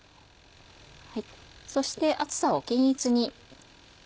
そして厚さを均一に。